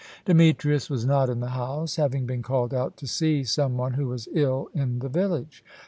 Demetrius was not in the house, having been called out to see some one who was ill in the village.